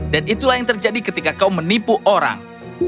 dan itulah yang terjadi ketika kau menipu orang